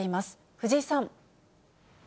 藤井さん。